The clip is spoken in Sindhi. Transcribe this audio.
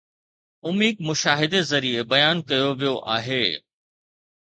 عميق مشاهدي ذريعي بيان ڪيو ويو آهي